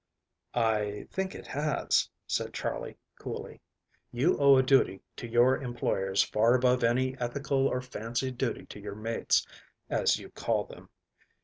"I think it has," said Charley coolly. "You owe a duty to your employers far above any ethical or fancied duty to your mates, as you call them.